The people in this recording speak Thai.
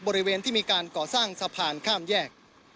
บริเวณที่มีการก่อสร้างสะพานข้ามแยก